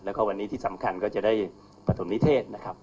แล้วก็วันนี้ที่สำคัญก็จะได้ปฐมนิเทศนะครับ